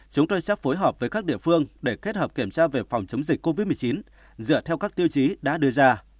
chúng tôi sẽ phối hợp với các địa phương để kết hợp kiểm tra về phòng chống dịch covid một mươi chín dựa theo các tiêu chí đã đưa ra